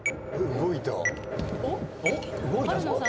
動いたぞ。